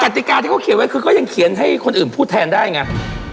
ติกาที่เขาเขียนไว้คือก็ยังเขียนให้คนอื่นพูดแทนได้ไง